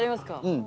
うん。